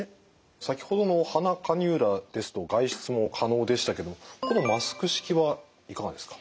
先ほどの鼻カニューラですと外出も可能でしたけどもこのマスク式はいかがですか？